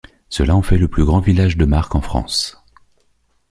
Cela en fait le plus grand village de marques en France.